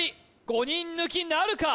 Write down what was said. ５人抜きなるか？